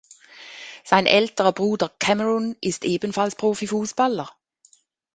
Sein älterer Bruder Cameron ist ebenfalls Profifußballer.